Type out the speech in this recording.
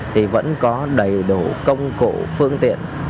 thì vẫn có đầy đủ công cụ phương tiện